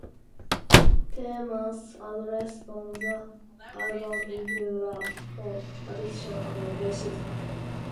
Themes addressed on the album include love, hope, addiction, and racism.